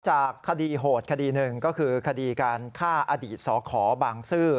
จากคดีโหดคดีหนึ่งก็คือคดีการฆ่าอดีตสขบางซื่อ